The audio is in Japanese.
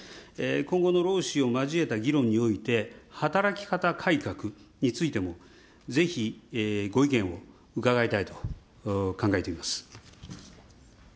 今後の労使を交えた議論において、働き方改革についても、ぜひご意見を伺いたいと考えています。